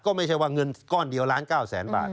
ก็ไม่ใช่ว่าเงินก้อนเดียวล้าน๙แสนบาท